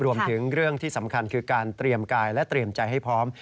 รวมถึงเรื่องที่สำคัญคือการเตรียมกายและเตรียมใจให้พร้อม